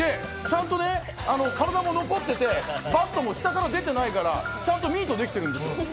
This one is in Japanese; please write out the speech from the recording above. ちゃんとね、体も残っていて、バットも下から出ていないから、ちゃんとミートできているんですよ。